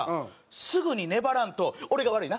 すぐに粘らんと「俺が悪いな？